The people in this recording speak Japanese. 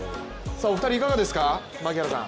お二人、いかがですか、槙原さん。